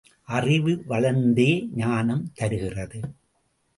அறிவு வளர்ந்தே ஞானம் தருகிறது.